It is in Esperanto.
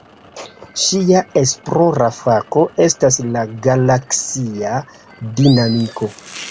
Ŝia esplora fako estas la galaksia dinamiko.